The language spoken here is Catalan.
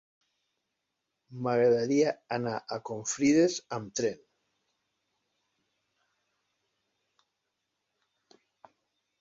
M'agradaria anar a Confrides amb tren.